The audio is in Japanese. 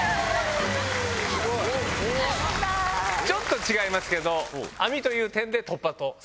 ちょっと違いますけど網という点で突破と。